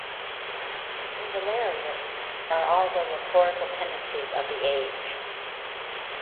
In Valerius are all the rhetorical tendencies of the age.